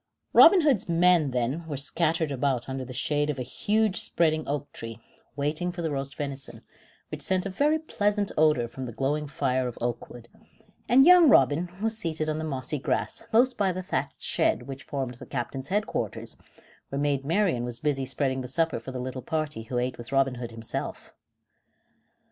Robin Hood's men, then, were scattered about under the shade of a huge spreading oak tree, waiting for the roast venison, which sent a very pleasant odor from the glowing fire of oak wood, and young Robin was seated on the mossy grass close by the thatched shed which formed the captain's headquarters, where Maid Marian was busy spreading the supper for the little party who ate with Robin Hood himself.